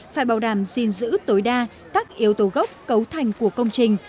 phải bảo đảm gìn giữ tối đa các yếu tố gốc cấu thành của công trình